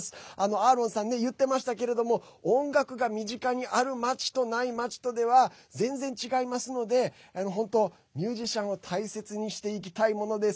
アーロンさん言ってましたけど音楽がある街とない街とでは全然違いますので本当、ミュージシャンを大切にしていきたいものです。